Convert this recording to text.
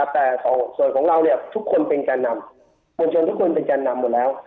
แต่ส่วนของเราเนี่ยทุกคนเป็นแก่นำมวลชนทุกคนเป็นแก่นำหมดแล้ว